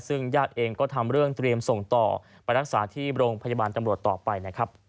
ซึ่งญาติเองก็ทำเรื่องเตรียมส่งต่อไปรักษาที่โรงพยาบาลตำรวจต่อไปนะครับ